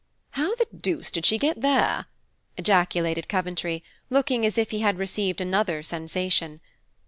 "How the deuce did she get there?" ejaculated Coventry, looking as if he had received another sensation.